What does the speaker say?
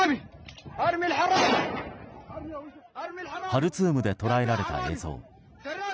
ハルツームで捉えられた映像。